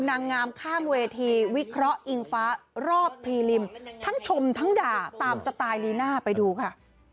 นางงามข้างเวทีวิเคราะห์อิงฟ้ารอบพีริมทั้งชมทั้งด่าตามสไตล์ลีน่าไปดูค่ะ